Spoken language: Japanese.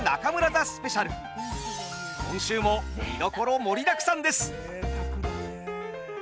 今週もみどころ盛りだくさんです。